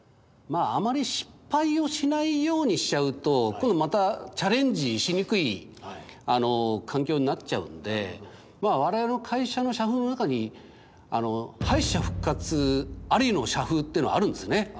あまり失敗をしないようにしちゃうと今度またチャレンジしにくい環境になっちゃうんで我々の会社の社風の中に敗者復活ありの社風っていうのあるんですね。